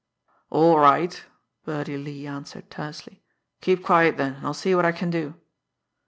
"All right!" Birdie Lee answered tersely. "Keep quiet, then, and I'll see what I can do."